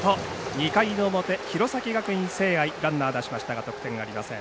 ２回の表、弘前学院聖愛ランナー出しましたが得点ありません。